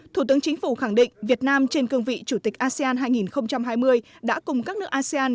thủ tướng chính phủ khẳng định việt nam trên cương vị chủ tịch asean hai nghìn hai mươi đã cùng các nước asean